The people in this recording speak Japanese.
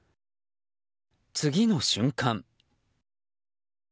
次の瞬間。